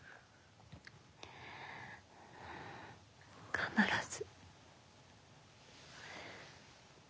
必ず。